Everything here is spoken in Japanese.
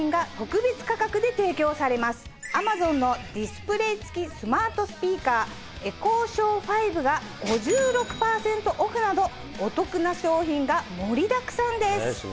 Ａｍａｚｏｎのディスプレー付きスマートスピーカー「ＥｃｈｏＳｈｏｗ５」が５６％オフなどお得な商品が盛りだくさんです。